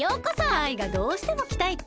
カイがどうしてもきたいって！